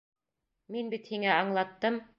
Мин бит һиңә аңлаттым.